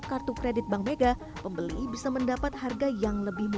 selain itu terdapat beberapa perusahaan yang memiliki perkembangan perusahaan yang lebih mahal